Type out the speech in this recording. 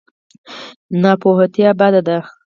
ناپوهتیا بده ده.